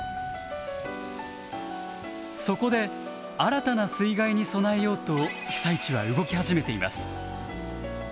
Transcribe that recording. そこで新たな水害に備えようと被災地は動き始めています。